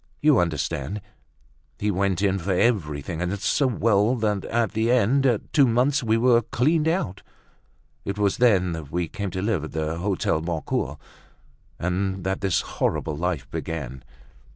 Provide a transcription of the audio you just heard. You understand, he went in for everything, and so well that at the end of two months we were cleaned out. It was then that we came to live at the Hotel Boncoeur, and that this horrible life began."